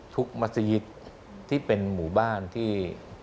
มัศยิตที่เป็นหมู่บ้านที่